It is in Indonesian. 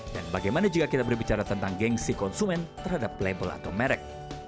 dan bagaimana jika kita berbicara tentang gengsi konsumen terhadap label atau merek